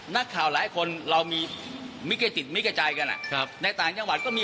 นักข่าวตั้งเขาหาให้หน่อยสิ